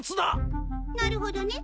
なるほどね。